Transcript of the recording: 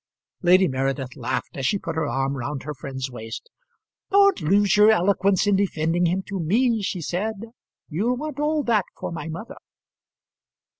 Lady Meredith laughed as she put her arm round her friend's waist. "Don't lose your eloquence in defending him to me," she said. "You'll want all that for my mother."